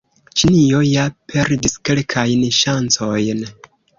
Ĉinio ja perdis kelkajn ŝancojn.